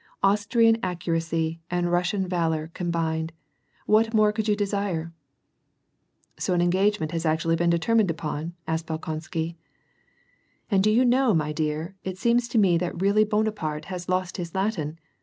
Austrian accuracy and Russian Valor combined ! what more could yoa desire ?"" So an engagement has been actually determined upon ?" asked Bolkousky. " And do you know, my dear, it seems to me that really Bonaparte ' has lost his Latin.'